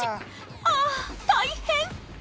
ああ大変！